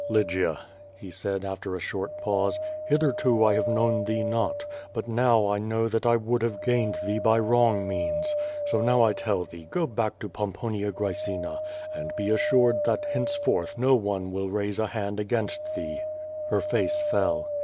*'Lygia," he said, after a short pause, "Hitherto I have known thee not. But now I know that I would have gained thee by wrong means. So now I tell thee, go back to Pom ))onia Graecina, and be assured that henceforward no one will raise a hand against thee." Her face fell.